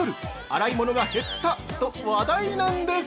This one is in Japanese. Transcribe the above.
「洗い物が減った！」と話題なんです。